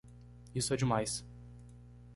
Isso é demais!